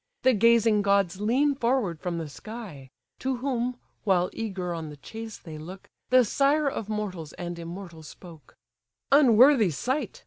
The gazing gods lean forward from the sky; To whom, while eager on the chase they look, The sire of mortals and immortals spoke: "Unworthy sight!